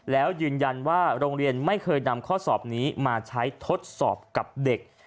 แล้วยืนยันว่าโรงเรียนไม่เคยนำข้อสอบนี้มาใช้ทดสอบกับเด็ก